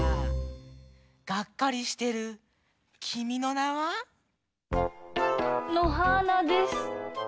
がっかりしてる「君の名は。」？のはーなです。